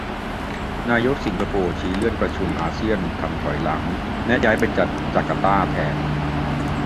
นายกสิงคโปร์ชี้เลื่อนประชุมอาเซียนทำถอยหลัง แนะย้ายไปจัดจาร์การ์ตาแทน